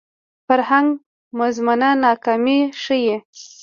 فرهنګ مزمنه ناکامي ښيي